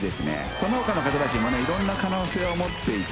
その他の方たちもいろんな可能性を持っていて。